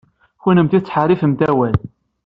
Kennemti tettḥaṛafemt awal.